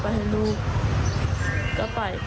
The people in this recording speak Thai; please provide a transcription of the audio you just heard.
เพราะว่าตอนมันเย็นทีนี้ก็เตรียมสภาพไปให้ลูก